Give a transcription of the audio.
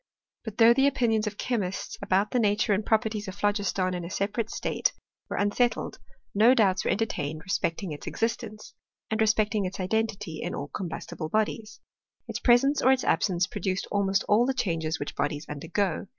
But though the opinions of chemists about the na ture and properties of* phlogiston in a separate stat^ were unsettled^ no doubts were entertained respecting THBORT IN Chemistry. 261 its existence, and respecting its identity in all com bustible bodies. Its presence or its absence produced almost all the changes which bodies undergo.